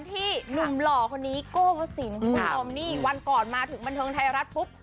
ที่หนุ่มหล่อคนนี้ก้มวันก่อนมาถึงบันเทิงไทยรัฐปุ๊บ